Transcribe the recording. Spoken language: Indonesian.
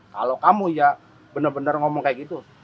kalau kamu ya benar benar ngomong kayak gitu